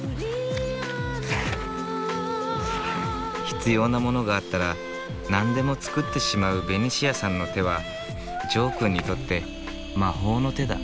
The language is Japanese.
必要なものがあったら何でも作ってしまうベニシアさんの手はジョーくんにとって魔法の手だ。